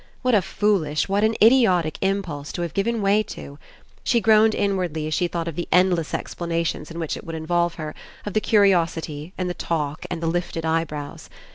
What a foolish, what an idiotic Impulse to have given way to ! She groaned Inwardly as she thought of the endless explanations In which it would Involve her, of the curiosity, and the talk, and the lifted eye brows.